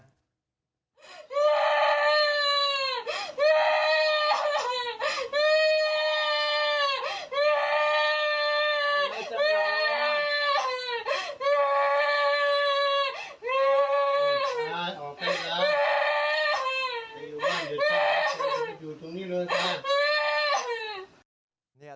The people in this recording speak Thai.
พระรัฐรสนำมนต์